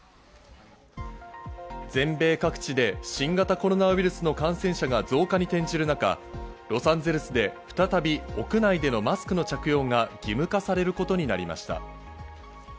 全米各地で新型コロナウイルスの感染者が増加に転じる中、ロサンゼルスで再び屋内でのマスクの着用が義務化されることになりました。